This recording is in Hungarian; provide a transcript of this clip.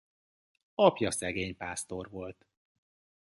Apja szegény pásztor volt.